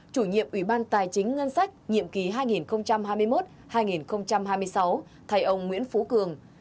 chủ nhiệm ủy ban tài chính ngân sách nhiệm kỳ hai nghìn hai mươi một hai nghìn hai mươi sáu thay ông nguyễn phú cường